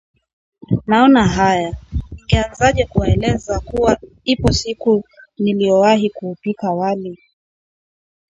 Naona haya… Ningeanzaje kuwaeleza kuwa ipo siku niliyowahi kuupika wali